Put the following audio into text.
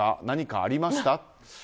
何かありました？